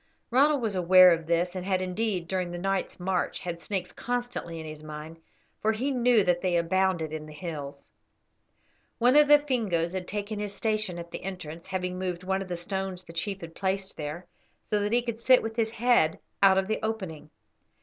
Ronald was aware of this, and had, indeed, during the night's march, had snakes constantly in his mind, for he knew that they abounded in the hills. One of the Fingoes had taken his station at the entrance, having moved one of the stones the chief had placed there, so that he could sit with his head out of the opening.